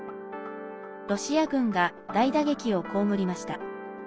ロシア軍が大打撃を被りました。